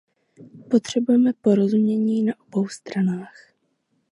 Potřebujeme porozuměni na obou stranách.